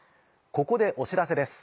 ここでお知らせです。